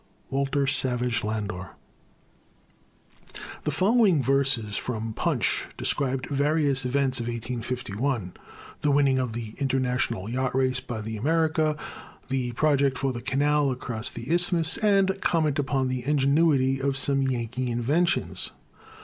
WALTER SAVAGE LANDOR. The following verses from Punch describe various events of 1851 the winning of the international yacht race by the America; the project for a canal across the isthmus and comment upon the ingenuity of some Yankee inventions.